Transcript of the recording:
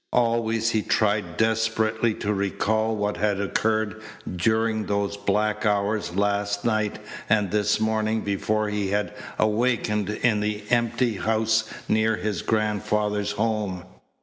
Always he tried desperately to recall what had occurred during those black hours last night and this morning before he had awakened in the empty house near his grandfather's home.